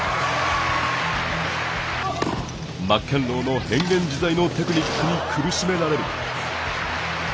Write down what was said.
マッケンローの変幻自在のテクニックに苦しめられる。